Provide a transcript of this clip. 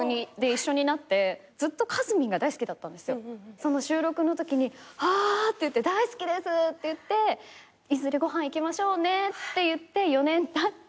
その収録のときにあ大好きです！って言っていずれご飯行きましょうねって言って４年たって。